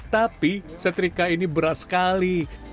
tapi setrika ini berat sekali